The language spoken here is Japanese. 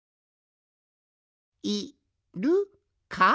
「いるか」？